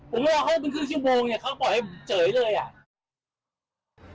ผมว่าเข้าเป็นครึ่งชิ้นโบงเขาบอกให้เจ๋ยเลย